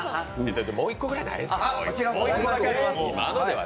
もう１個ぐらいないですか。